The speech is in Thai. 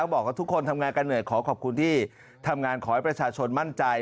บอกว่าทุกคนทำงานกันเหนื่อยขอขอบคุณที่ทำงานขอให้ประชาชนมั่นใจ